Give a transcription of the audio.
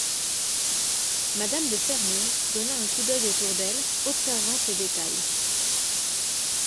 M^{me} de Ferneuse donna un coup d’œil autour d’elle, observant ces détails.